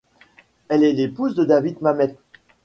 Elle est l'épouse de David Mamet.